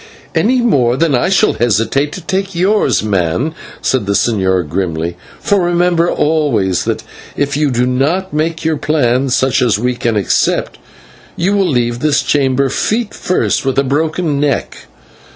"Any more than I shall hesitate to take yours, old man," said the señor, grimly; "for remember always that if you do not make your plan such as we can accept, you will leave this chamber feet first with a broken neck."